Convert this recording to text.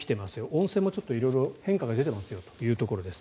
温泉も色々変化が出てますよというところです。